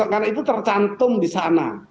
karena itu tercantum di sana